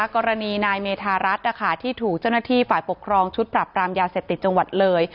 กรณีนายเมธารัฐที่ถูกเจ้าหน้าที่ฝ่ายปกครองชุดปรับปรามยาเสพติดจังหวัดเลย